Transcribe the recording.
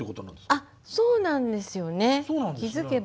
あっそうなんですよね。